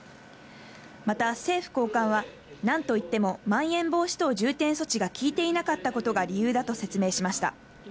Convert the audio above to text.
また政府高官は、何と言っても、まん延防止等重点措置が効いていなかったことが理由だと説明しました。